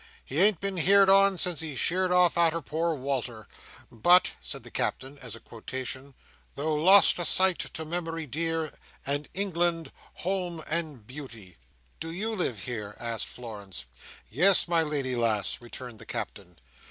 He ain't been heerd on, since he sheered off arter poor Wal"r. But," said the Captain, as a quotation, "Though lost to sight, to memory dear, and England, Home, and Beauty!" "Do you live here?" asked Florence. "Yes, my lady lass," returned the Captain.